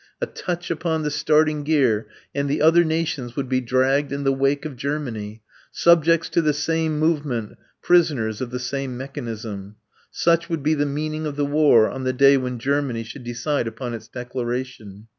A touch upon the starting gear and the other nations would be dragged in the wake of Germany, subjects to the same movement, prisoners of the same mechanism. Such would be the meaning of the war on the day when Germany should decide upon its declaration.